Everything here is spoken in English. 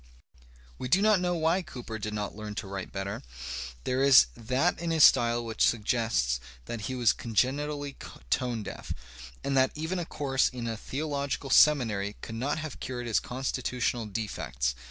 We do not know why Cooper did not learn to write better. ^ There is that in his style which suggests that he was con genitally tone deaf, and that even a course in a theological seminary could not have cured his constitutional defects.